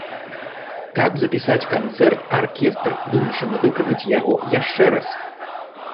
Каб запісаць канцэрт, аркестр вымушаны выканаць яго яшчэ раз.